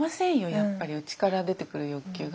やっぱり内から出てくる欲求が。